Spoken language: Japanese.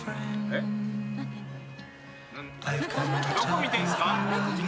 どこ見てんすか？